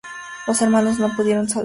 Los hermanos no pudieron salvarla.